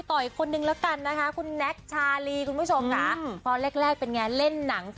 แต่ว่าแบบอะไรก็ใช่เลยอ่ะ